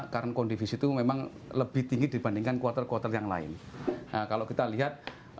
karena kondisi itu memang lebih tinggi dibandingkan kuartal kuartal yang lain kalau kita lihat